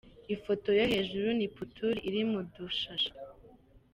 Ifoto yo hejuru ni puturi iri mu dushashe